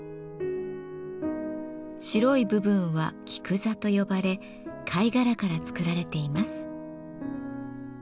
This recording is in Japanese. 白い部分は「菊座」と呼ばれ貝殻から作られています。